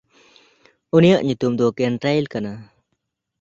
ᱩᱱᱤᱭᱟᱜ ᱧᱩᱛᱩᱢ ᱫᱚ ᱠᱮᱱᱴᱨᱮᱭᱟᱞ ᱠᱟᱱᱟ᱾